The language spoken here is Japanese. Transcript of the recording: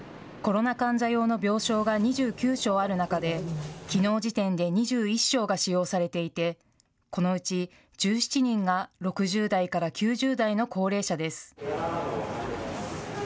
コロナ患者用の病床が２９床ある中で、きのう時点で２１床が使用されていてこのうち１７人が６０代から９０代の高齢者です。